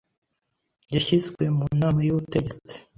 yashyizwe mu nama y’ubutegetsi